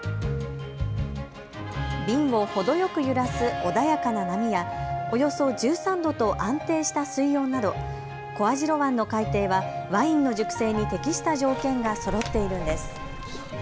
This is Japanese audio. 瓶を程よく揺らす穏やかな波やおよそ１３度と安定した水温など小網代湾の海底はワインの熟成に適した条件がそろっているんです。